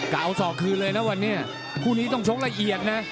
ไกล้เอา๒คืนเลยนะคู่นี้ต้องโชคละเอียดนะ